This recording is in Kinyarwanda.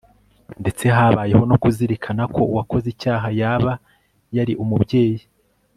ndetse habayeho no kuzirikana ko uwakoze icyaha yaba yari umubyeyi